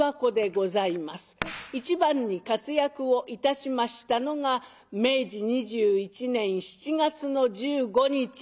一番に活躍をいたしましたのが明治２１年７月の１５日。